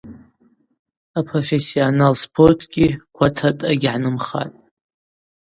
Апрофессионал спортгьи гватрадъа йгьгӏанымхатӏ.